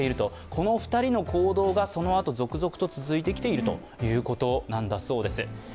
この２人の行動が、そのあと続々と続いてきているということだそうです。